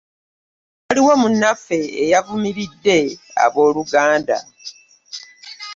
Waliwo munaffe eyavunulidde ab'oluganda .